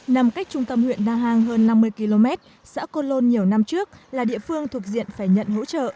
nằm cách trung tâm huyện na hàng hơn năm mươi km xã côn lôn nhiều năm trước là địa phương thuộc diện phải nhận hỗ trợ